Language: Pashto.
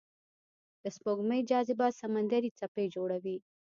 د سپوږمۍ جاذبه سمندري څپې جوړوي.